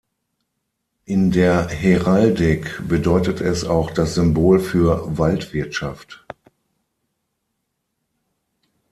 In der Heraldik bedeutet es auch das Symbol für Waldwirtschaft.